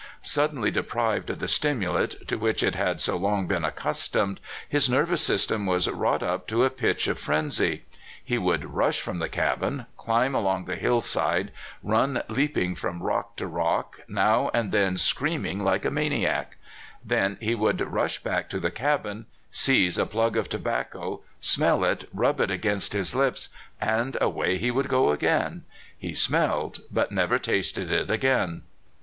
Suddenly deprived of the stimulant to which it had so long been accustomed, his nervous system was wrought up to a pitch of frenzy. He would rush from the cabin, climb along the hillside, run leap ing from rock to rock, now and then screaming 224 CALIFORNIA SKETCHES. like a maniac. Then he would rush back to the cabin, seize a plug of tobacco, smell it, rub it against his lips, and away he would go again » He smelled, but never tasted it again.